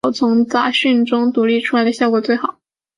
不以追求顺差为目标